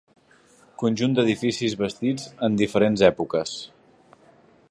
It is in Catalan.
Conjunt d'edificis vestits en diferents èpoques.